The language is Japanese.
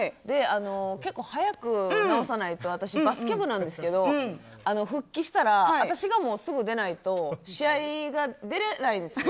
結構、早く治さないと私、バスケ部なんですけど復帰したら、私がすぐ出ないと試合が出れないんですよ。